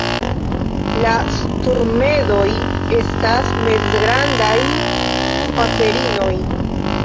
La sturnedoj estas mezgrandaj paserinoj.